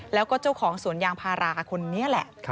แล้วก็เจ้าของสวนยางพาราคนนี้แหละ